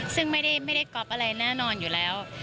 ซึ่งไม่ได้ก๊อฟอะไรแน่นอนอยู่แล้ว